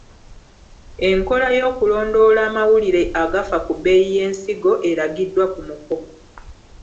Enkola y’okulondoola amawulire agafa ku bbeeyi y’ensigo eragiddwa ku muko.